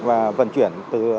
và vận chuyển